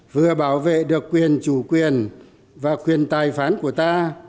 vừa bảo vệ được quyền chủ quyền và quyền tài phán của ta